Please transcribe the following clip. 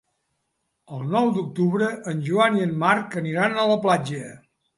El nou d'octubre en Joan i en Marc aniran a la platja.